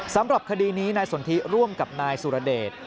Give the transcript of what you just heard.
สำหรับคดีนี้นายสนทิร่วมกับนายสุรเดช